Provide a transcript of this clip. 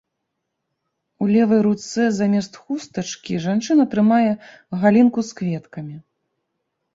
У левай руцэ замест хустачкі жанчына трымае галінку з кветкамі.